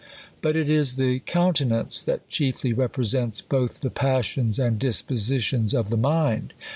But it is the countenance, that chiefly insprescnts both the passions and dispositions "of the mind.